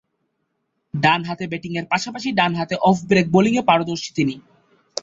ডানহাতে ব্যাটিংয়ের পাশাপাশি ডানহাতে অফ ব্রেক বোলিংয়ে পারদর্শী তিনি।